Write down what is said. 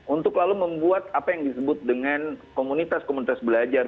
untuk lalu membuat apa yang disebut dengan komunitas komunitas belajar